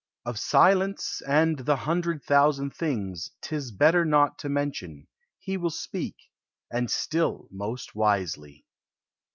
Of silence, and the hundred thousand things 'T is better not to mention, he will speak, And still most wisely.